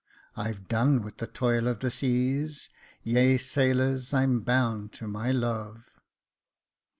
I've done with the toil of the seas ; Ye sailors, I'm bound to my love.